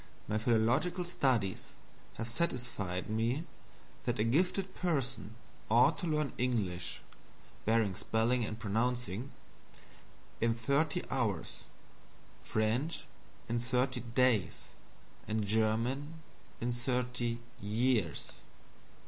My philological studies have satisfied me that a gifted person ought to learn English (barring spelling and pronouncing) in thirty hours, French in thirty days, and German in thirty years.